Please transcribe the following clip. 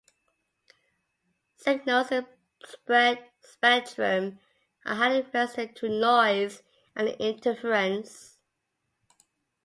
Signals in spread spectrum are highly resistant to noise and interference.